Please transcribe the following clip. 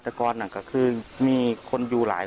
ส่วนของชีวาหาย